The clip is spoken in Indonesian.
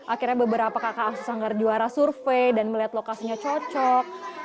akhirnya beberapa kakak aksi sanggar juara survei dan melihat lokasinya cocok